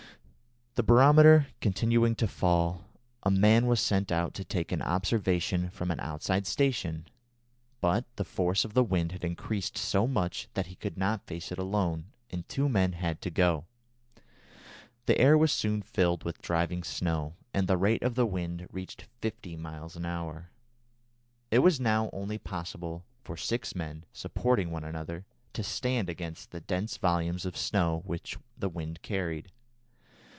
The barometer continuing to fall, a man was sent out to take an observation from an outside station, but the force of the wind had increased so much that he could not face it alone, and two men had to go. The air was soon filled with driving snow, and the rate of the wind reached fifty miles an hour. It was now only possible for six men, supporting one another, to stand against the dense volumes of snow which the wind carried.